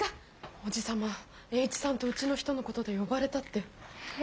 おじさま栄一さんとうちの人のことで呼ばれたって。